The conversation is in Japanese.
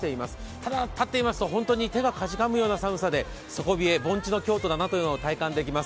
ただ、立っていますと本当に手がかじかむような寒さで底冷え、盆地の京都だなというのを体感できます。